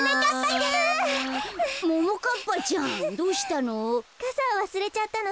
ももかっぱちゃんどうしたの？